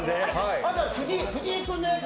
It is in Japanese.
あとは藤井君のやつ。